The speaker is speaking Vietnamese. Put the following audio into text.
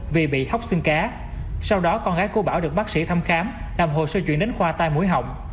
vì bị hóc xương cá sau đó con gái của bảo được bác sĩ thăm khám làm hồ sơ chuyển đến khoa tai mũi họng